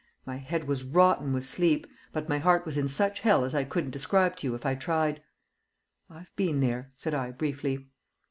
My head was rotten with sleep, but my heart was in such hell as I couldn't describe to you if I tried." "I've been there," said I, briefly.